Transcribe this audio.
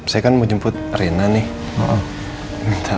saya kan mau jemput rina nih